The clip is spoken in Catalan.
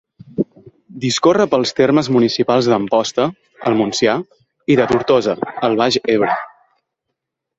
Discorre pels termes municipals d'Amposta, al Montsià, i de Tortosa, al Baix Ebre.